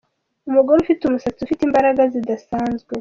Umugore ufite umusatsi ufite imbaraga zidasanzwe.